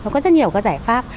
có rất nhiều giải pháp